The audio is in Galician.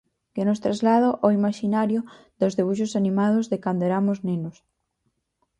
Que nos traslada ao imaxinario dos debuxos animados de cando eramos nenos.